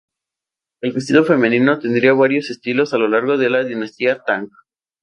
El vestido femenino tendría varios estilos a lo largo de la dinastía Tʻang.